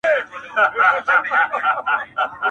جهاني د ړندو ښار دی هم کاڼه دي هم ګونګي دي.!